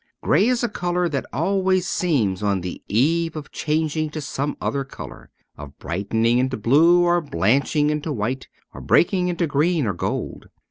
Grey is a colour that always seems on the eve of changing to some other colour ; of brightening into blue, or blanching into white or breaking into green or gold.